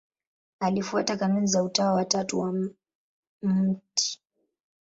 Alifuata kanuni za Utawa wa Tatu wa Mt.